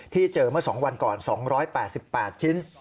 เจอเมื่อ๒วันก่อน๒๘๘ชิ้น